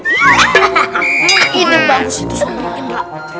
ini bagus itu sendiri mbak